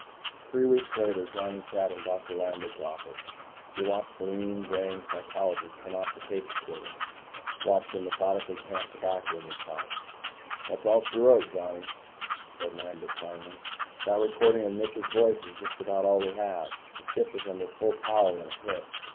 Three weeks later, Johnny sat in Doctor Lambert's office. He watched the lean, graying psychologist turn off the tape recorder, watched him methodically tamp tobacco in his pipe. "That's all she wrote, Johnny," said Lambert, finally. "That recording of Mitch's voice is just about all we have. The Ship was under full power when it hit.